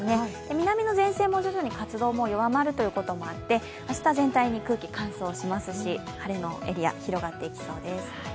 南の前線も徐々に活動が弱まるというところもあって、明日、全体に空気が乾燥しますし晴れのエリアが広がっていきそうです。